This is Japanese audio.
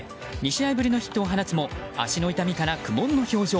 ２試合ぶりのヒットを放つも足の痛みから苦悶の表情。